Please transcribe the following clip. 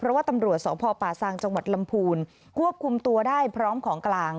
เพราะว่าตำรวจสพป่าซางจังหวัดลำพูนควบคุมตัวได้พร้อมของกลาง